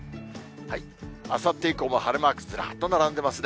あさって以降も晴れマークずらっと並んでますね。